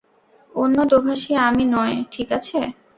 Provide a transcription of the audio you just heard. অন্য দোভাষী, আমি নয়, ঠিক আছে?